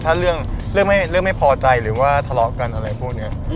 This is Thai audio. ถ้าเรื่องไม่พอใจหรือว่าทะเลาะกันอะไรพวกนี้